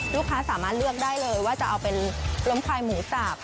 ลูกค้าสามารถเลือกได้เลยว่าจะเอาเป็นล้มควายหมูสับ